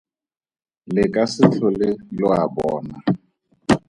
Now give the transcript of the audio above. Le ka se tlhole lo a bona.